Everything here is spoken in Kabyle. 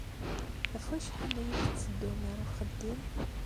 Ɣef wacḥal ay tetteddum ɣer uxeddim?